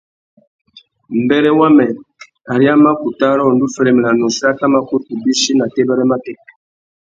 Mbêrê wamê, ari a mà kutu ara undú féréména nôchï a tà mà kutu bîchi nà têbêrê matê.